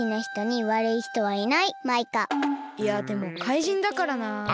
いやでもかいじんだからなあ。